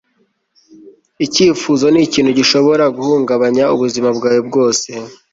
icyifuzo nikintu gishobora guhungabanya ubuzima bwawe bwose